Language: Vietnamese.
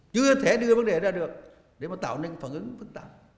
chưa thể đưa vấn đề ra được để mà tạo nên phản ứng phức tạp